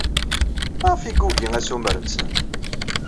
Maɣef ay yugi assumer-nsent?